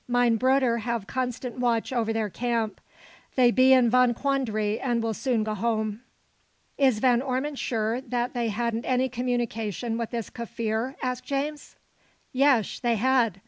Mine bruder have constant watch over their camp. They be in von quandary, and will soon go home." "Is Van Ormon sure that they hadn't any communication with this Kaffir?" asked James. "Yesh! they had.